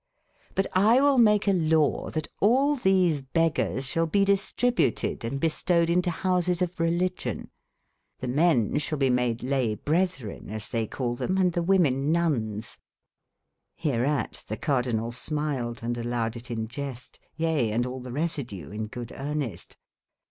But X will make a lawe, tbat all tbese beggers sball be distributed, & bestowed into bouses of religion J^ t^be men sbalbe made lay e bretbren, as tbey call tbem, & tbe women nunnes jff Rereat tbe Cardinal smiled, &alloweditinjest, yea&alltberesiduein good earnest.